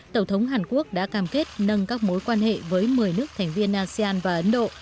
tổng thống hàn quốc đã cam kết nâng các mối quan hệ với một mươi nước thành viên asean và ấn độ